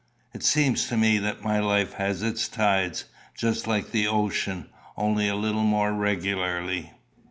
It seems to me that my life has its tides, just like the ocean, only a little more regularly.